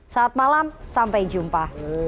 saat malam sampai jumpa